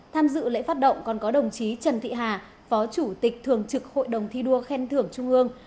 tham dự lễ phát động còn có đồng chí trần thị hà phó chủ tịch thường trực hội đồng thi đua khen thưởng trung ương